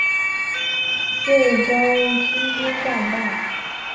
最终清军战败。